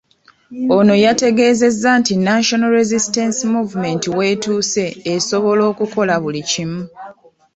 Ono yategeezezza nti National Resistance Movement w'etuuse esobola okukola buli kimu .